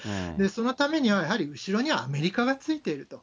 そのためにはやはり後ろにはアメリカがついていると。